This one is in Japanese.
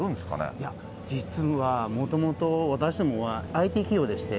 いや、実は元々、私どもはＩＴ企業でして。